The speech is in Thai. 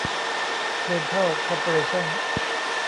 เดนทัล คอร์ปอเรชั่น